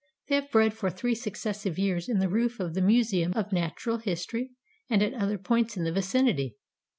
They have bred for three successive years in the roof of the Museum of Natural History and at other points in the vicinity.